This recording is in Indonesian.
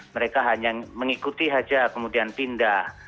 mereka hanya mengikuti saja kemudian pindah